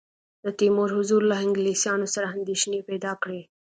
د تیمور حضور له انګلیسیانو سره اندېښنې پیدا کړې.